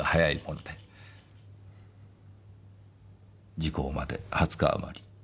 時効まで２０日あまり。